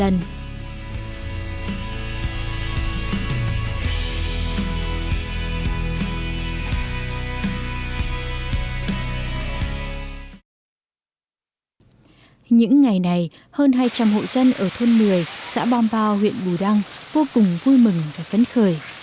những ngày này hơn hai trăm linh hộ dân ở thôn một mươi xã bom bao huyện bù đăng vô cùng vui mừng và phấn khởi